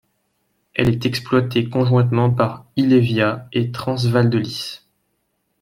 Elle est exploitée conjointement par Ilévia et Trans Val de Lys.